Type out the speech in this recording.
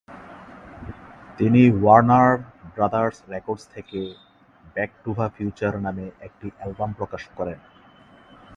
তিনি Warner Brothers Records থেকে "back to the future" নামে একটি অ্যালবাম প্রকাশ করেন।